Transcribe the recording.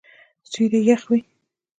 سیوری یخ وی